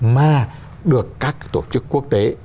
mà được các tổ chức quốc tế